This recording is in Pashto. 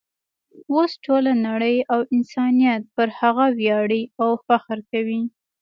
اوس ټوله نړۍ او انسانیت پر هغه ویاړي او فخر کوي.